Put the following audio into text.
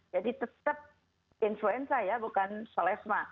jadi tetap influenza ya bukan selesma